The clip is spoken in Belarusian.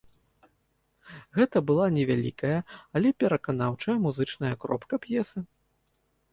Гэта была невялікая, але пераканаўчая музычная кропка п'есы.